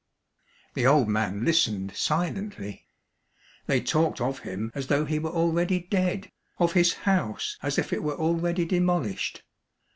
The old man listened silently. They talked of him as though he were already dead, of his house as if it were already demolished.